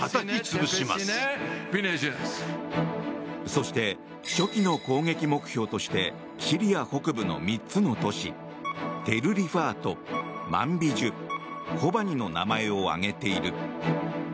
そして初期の攻撃目標としてシリア北部の３つの都市テル・リファート、マンビジュコバニの名前を挙げている。